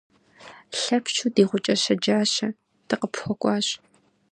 Лъэпщу ди гъукӏэ щэджащэ, дыкъыпхуэкӏуащ.